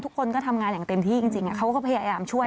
ทุกคนก็ทำงานอย่างเต็มที่จริงเขาก็พยายามช่วย